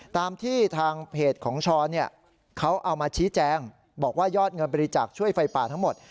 ตามที่ทางเพจของช้อนเขาเอามาชี้แจงบอกว่ายอดเงินบริจาคช่วยไฟป่าทั้งหมด